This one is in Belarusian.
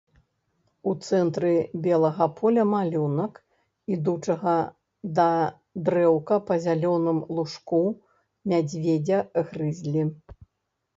У цэнтры белага поля малюнак ідучага да дрэўка па зялёным лужку мядзведзя грызлі.